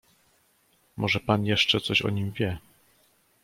"Może pan jeszcze coś o nim wie?"